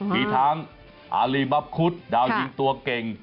มีทั้งอารีบับคุดดาวยิงตัวเก่ง